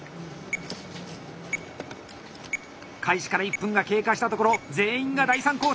開始から１分が経過したところ全員が第３工程。